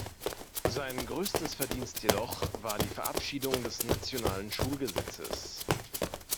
Sein größtes Verdienst jedoch war die Verabschiedung des nationalen Schulgesetzes.